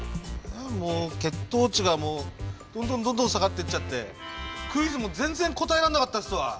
もう血糖値がもうどんどんどんどん下がってっちゃってクイズも全然答えらんなかったっすわ。